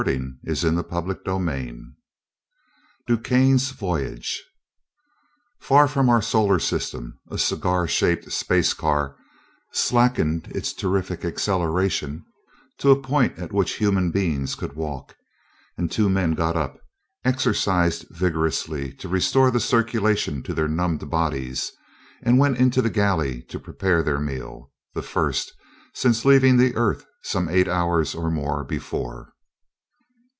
'Night, Cranes." CHAPTER VII DuQuesne's Voyage Far from our solar system a cigar shaped space car slackened its terrific acceleration to a point at which human beings could walk, and two men got up, exercised vigorously to restore the circulation to their numbed bodies, and went into the galley to prepare their meal the first since leaving the Earth some eight hours or more before.